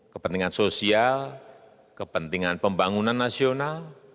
kepentingan sosial kepentingan pembangunan nasional